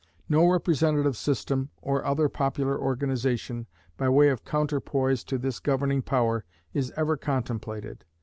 No representative system, or other popular organization, by way of counterpoise to this governing power, is ever contemplated.